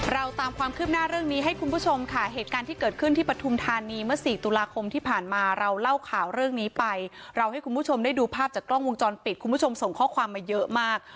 เราตามความคืบหน้าเรื่องนี้ให้คุณผู้ชมค่ะเหตุการณ์ที่เกิดขึ้นที่ปฐุมธานีเมื่อสี่ตุลาคมที่ผ่านมาเราเล่าข่าวเรื่องนี้ไปเราให้คุณผู้ชมได้ดูภาพจากกล้องวงจรปิดคุณผู้ชมส่งข้อความมาเยอะมาก